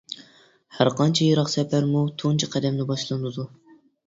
ھەرقانچە يىراق سەپەرمۇ تۇنجى قەدەمدە باشلىنىدۇ.